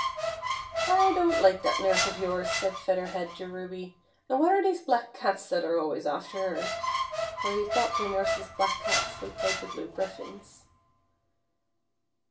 " I don't like that nurse of }'ours," said Feather Head to Ruby, " and what are these black cats that are always after her ?" For he thought the nurse's black cats looked like the blue griffins.